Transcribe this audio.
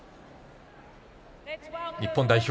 日本代表